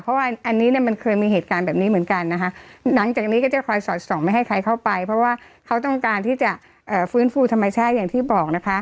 เพราะว่าอันนี้เนี่ยมันเคยมีเหตุการณ์แบบนี้เหมือนกันนะคะหลังจากนี้ก็จะคอยสอดส่องไม่ให้ใครเข้าไปเพราะว่าเขาต้องการที่จะฟื้นฟูธรรมชาติอย่างที่บอกนะคะ